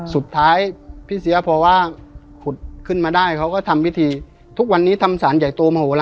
สุดท้ายพี่เสียพอว่าขุดขึ้นมาได้เขาก็ทำพิธีทุกวันนี้ทำสารใหญ่โตโมโหลาน